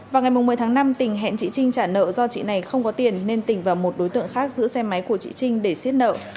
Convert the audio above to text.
vào ngày một mươi tháng năm tình hẹn chị trinh trả nợ do chị này không có tiền nên tỉnh và một đối tượng khác giữ xe máy của chị trinh để xiết nợ